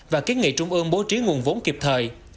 và kiến nghị trung ương bố trí nguồn vốn kịp thời